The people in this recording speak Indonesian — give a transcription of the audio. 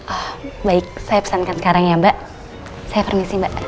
oh baik saya pesankan sekarang ya mbak saya permisi mbak